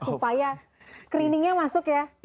supaya screeningnya masuk ya pak gaya